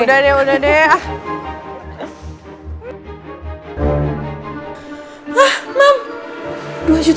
udah deh udah deh